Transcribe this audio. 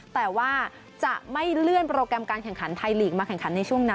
แต่ว่าจะไม่เลื่อนโปรแกรมการแข่งขันไทยลีกมาแข่งขันในช่วงนั้น